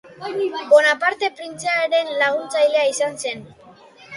Bonaparte printzearen laguntzailea izan zen.